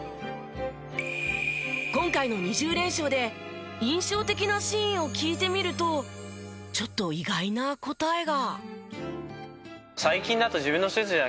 今回の２０連勝で印象的なシーンを聞いてみるとちょっと意外な答えが。